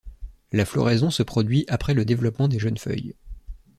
La floraison se produit après le développement des jeunes feuilles.